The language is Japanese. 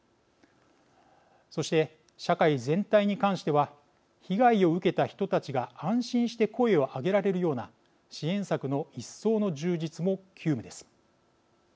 そして、社会全体に関しては被害を受けた人たちが安心して声を上げられるような支援策の一層の充実も急務です。